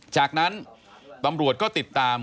จากนั้นตำรวจก็ติดตาม